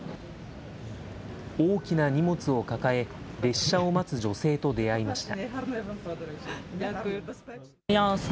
大きな荷物を抱え、列車を待つ女性と出会いました。